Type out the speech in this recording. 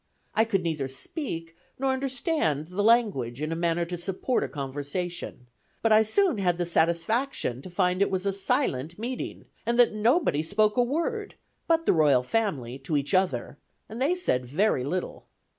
I could neither speak, nor understand the language in a manner to support a conversation, but I had soon the satisfaction to find it was a silent meeting, and that nobody spoke a word, but the royal family, to each other, and they said very little.